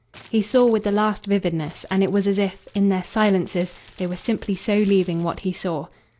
He saw with the last vividness, and it was as if, in their silences, they were simply so leaving what he saw.